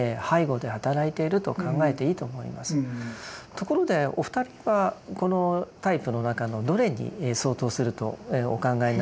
ところでお二人はこのタイプの中のどれに相当するとお考えになりますか？